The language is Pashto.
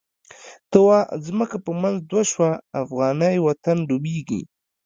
ته وا ځمکه په منځ دوه شوه، افغانی وطن ډوبیږی